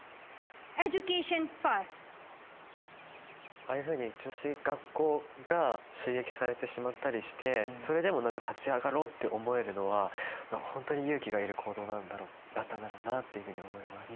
ああいうふうに女子学校が襲撃されてしまったりしてそれでも何か立ち上がろうって思えるのは本当に勇気がいる行動だったんだろうなっていうふうに思います。